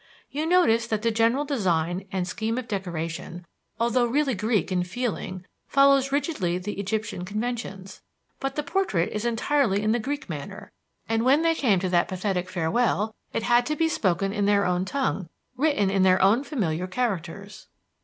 You notice that the general design and scheme of decoration, although really Greek in feeling, follows rigidly the Egyptian conventions. But the portrait is entirely in the Greek manner, and when they came to that pathetic farewell, it had to be spoken in their own tongue, written in their own familiar characters."